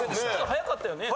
早かったよね。